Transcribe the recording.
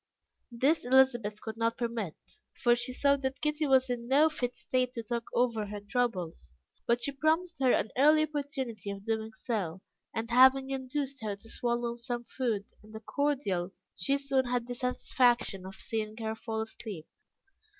This Elizabeth could not permit, for she saw that Kitty was in no fit state to talk over her troubles, but she promised her an early opportunity of doing so, and having induced her to swallow some food and a cordial, she soon had the satisfaction of seeing her fall asleep.